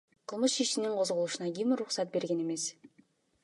Кылмыш ишинин козголушуна ким уруксат берген эмес?